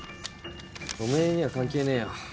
おめえには関係ねえよ